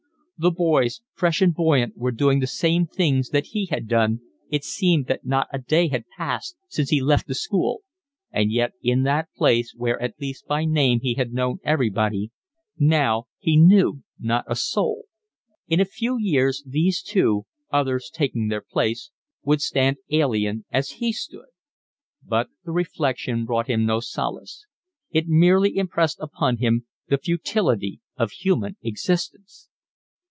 The boys, fresh and buoyant, were doing the same things that he had done, it seemed that not a day had passed since he left the school, and yet in that place where at least by name he had known everybody now he knew not a soul. In a few years these too, others taking their place, would stand alien as he stood; but the reflection brought him no solace; it merely impressed upon him the futility of human existence.